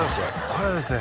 これはですね